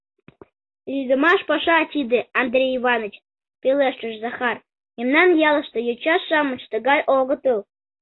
— Лийдымаш паша тиде, Андрей Иваныч, — пелештыш Захар, — мемнан ялыште йоча-шамыч тыгай огытыл.